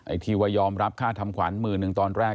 ที่ว่ายอมรับค่าทำขวัญหมื่นหนึ่งตอนแรก